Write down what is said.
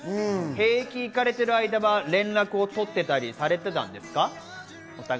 兵役に行かれている間は連絡を取ったりされていたんですか？